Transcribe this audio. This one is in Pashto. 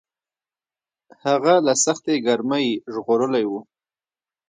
هغه له سختې ګرمۍ ژغورلی و.